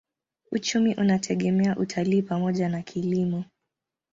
Uchumi unategemea utalii pamoja na kilimo.